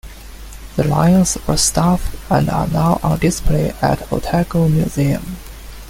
The lions were stuffed and are now on display at Otago Museum.